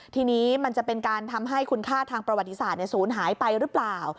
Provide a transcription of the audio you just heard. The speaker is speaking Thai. ทีนี้มันจะเป็นการทำให้คุณค่าทางประวัติศาสตร์ศูนย์หายไปหรือเปล่า